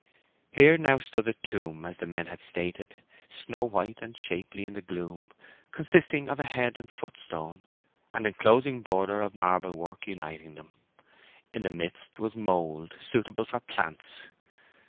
Here now stood the tomb as the men had stated, snow white and shapely in the gloom, consisting of head and foot stone, and enclosing border of marble work uniting them. In the midst was mould, suitable for plants.